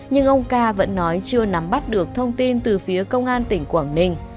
nhưng ông ca vẫn nói chưa nắm bắt được thông tin từ phía công an tỉnh quảng ninh